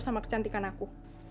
sama kecantikan aku